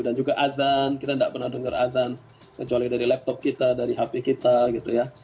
dan juga adhan kita tidak pernah dengar adhan kecuali dari laptop kita dari hp kita gitu ya